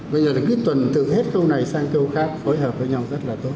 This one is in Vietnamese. bây giờ là quyết tuần từ hết khâu này sang khâu khác phối hợp với nhau rất là tốt